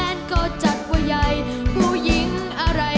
ผู้หญิงก็จัดไว้ใหญ่ผู้หญิงก็จัดไว้ใหญ่